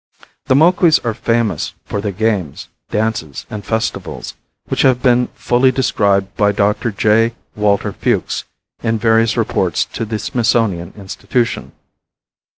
The Moquis are famous for their games, dances and festivals, which have been fully described by Dr. J. Walter Fewkes in various reports to the Smithsonian Institution.